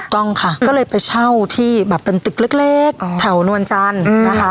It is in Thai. ต้องค่ะก็เลยไปเช่าที่แบบเป็นตึกเล็กแถวนวลจันทร์นะคะ